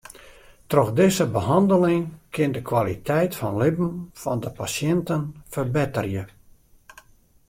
Troch dizze behanneling kin de kwaliteit fan libben fan de pasjinten ferbetterje.